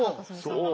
そう。